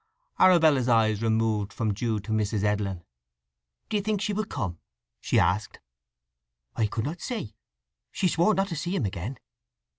Arabella's eyes removed from Jude to Mrs. Edlin. "D'ye think she will come?" she asked. "I could not say. She swore not to see him again."